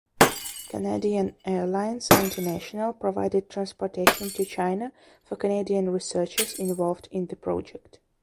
Canadian Airlines International provided transportation to China for Canadian researchers involved in the project.